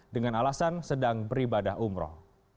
dengan alasan sedang beribadah umroh